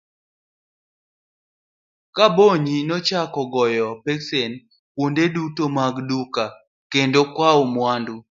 Kabonyi nochako goyo peksen kuonde duto mag duka kendo kawo mwandu.